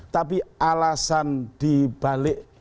tapi alasan dibalik